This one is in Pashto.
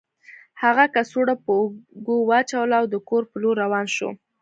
هغه کڅوړه په اوږه واچوله او د کور په لور روان شو